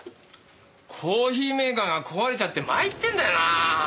コーヒーメーカーが壊れちゃって参ってんだよなあ。